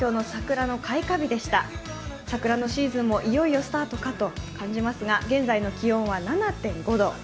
桜のシーズンもいよいよスタートかと感じますが現在の気温は７．５度。